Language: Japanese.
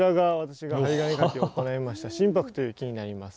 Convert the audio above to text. こちらが真柏という木になります。